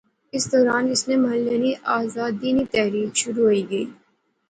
اسے دوران اس نے ملخے نی آزادی نی تحریک شروع ہوئی گئی